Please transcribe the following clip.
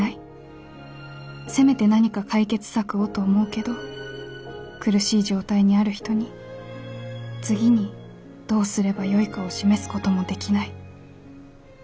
せめて何か解決策をと思うけど苦しい状態にある人に次にどうすればよいかを示すこともできない」。